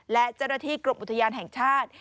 และเจรฐีกรุมอุทยานแห่งชาติ